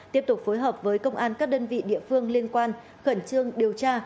tiếp tục phối hợp với công an các đơn vị địa phương liên quan khẩn trương điều tra